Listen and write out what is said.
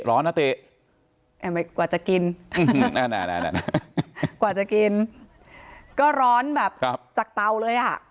ร้อนนะติกว่าจะกินกว่าจะกินก็ร้อนแบบจากเตาเลยอ่ะ